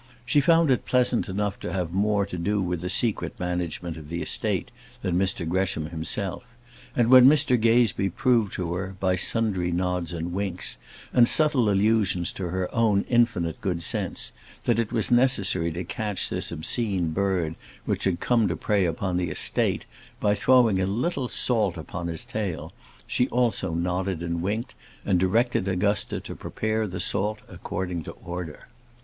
She found it pleasant enough to have more to do with the secret management of the estate than Mr Gresham himself; and when Mr Gazebee proved to her, by sundry nods and winks, and subtle allusions to her own infinite good sense, that it was necessary to catch this obscene bird which had come to prey upon the estate, by throwing a little salt upon his tail, she also nodded and winked, and directed Augusta to prepare the salt according to order.